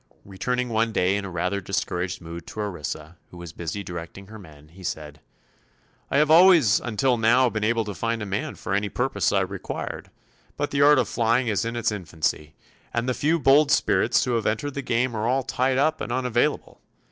Returning one day in a rather discouraged mood to Orissa, who was busy directing her men, he said: "I have always, until now, been able to find a man for any purpose I required; but the art of flying is in its infancy and the few bold spirits who have entered the game are all tied up and unavailable.